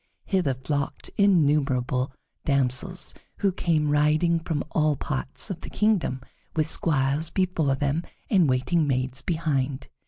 Hither flocked innumerable damsels, who came riding from all parts of the kingdom, with squires before them and waiting maids behind.